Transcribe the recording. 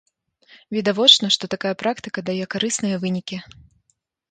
Відавочна, што такая практыка дае карысныя вынікі.